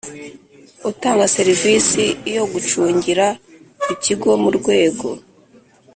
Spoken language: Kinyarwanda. utanga serivisi Iyo gucungira ku kigo mu rwego